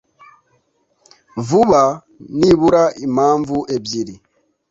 vuga nibura impamvu ebyiri.